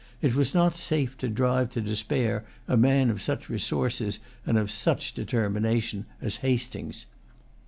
It was not safe to drive to despair a man of such resources and of such determination as Hastings.